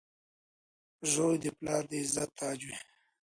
• زوی د پلار د عزت تاج وي.